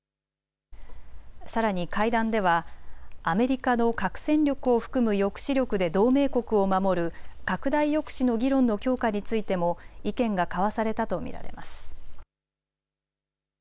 さらに会談ではアメリカの核戦力を含む抑止力で同盟国を守る拡大抑止の議論の強化についても意見が交わされたと見られます。